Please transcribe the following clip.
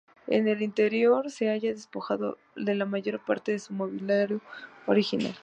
El interior actualmente se halla despojado de la mayor parte de su mobiliario original.